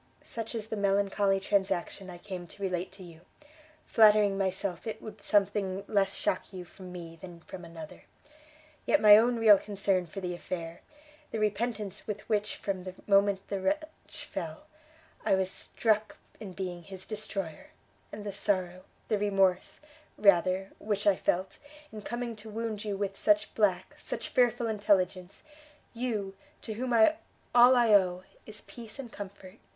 Such is the melancholy transaction I came to relate to you, flattering myself it would something less shock you from me than from another: yet my own real concern for the affair, the repentance with which from the moment the wretch fell, I was struck in being his destroyer, and the sorrow, the remorse, rather, which I felt, in coming to wound you with such black, such fearful intelligence, you to whom all I owe is peace and comfort!